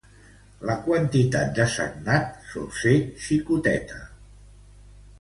La quantitat de sagnat sol ser xicoteta.